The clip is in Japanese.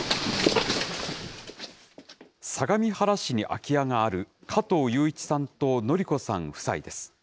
相模原市に空き家がある加藤雄一さんと典子さん夫妻です。